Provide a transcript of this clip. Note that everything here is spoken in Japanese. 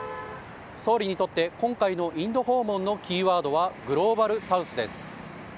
総理にとって今回のインド訪問のキーワードはグローバルサウスです。